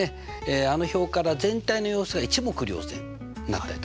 あの表から全体の様子が一目瞭然になったりとかね